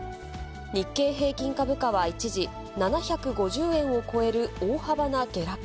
日経平均株価は一時、７５０円を超える大幅な下落。